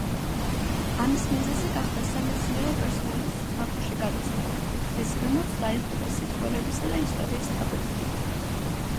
ამის მიზეზი გახდა სამეცნიერო პერსონალის ბაქოში გადასვლა, რის გამოც დაიხურა სიტყვიერებისა და ისტორიის ფაკულტეტი.